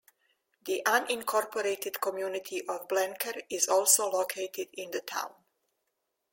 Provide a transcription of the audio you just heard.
The unincorporated community of Blenker is also located in the town.